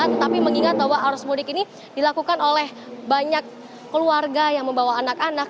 tetapi mengingat bahwa arus mudik ini dilakukan oleh banyak keluarga yang membawa anak anak